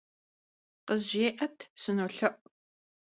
Khızjjê'et, sınolhe'u!